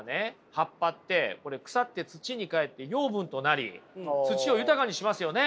葉っぱって腐って土にかえって養分となり土を豊かにしますよね？